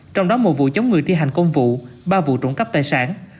trong đó một vụ chống người thi hành công vụ ba vụ trùng cấp tài sản